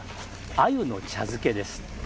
あゆの茶漬けです。